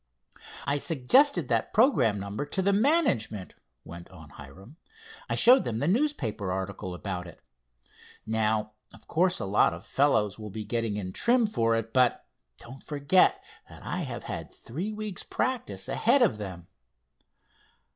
"I suggested that programme number to the management," went on Hiram. "I showed them the newspaper article about it. Now of course a lot of fellows will be getting in trim for it, but don't forget that I have had three weeks' practice ahead of them.